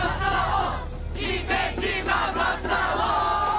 姫島正夫！